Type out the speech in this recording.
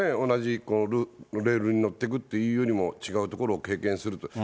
同じレールに乗ってくというよりも、違うところを経験すると。